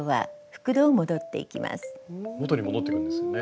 元に戻っていくんですよね。